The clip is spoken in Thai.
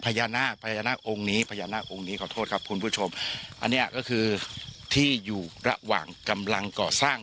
พญานาคพญานาคองค์นี้พญานาคองค์นี้ขอโทษครับคุณผู้ชมอันเนี้ยก็คือที่อยู่ระหว่างกำลังก่อสร้าง